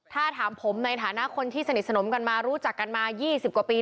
ถ้าถามผมในฐานะคนที่สนิทสนมกันมารู้จักกันมา๒๐กว่าปี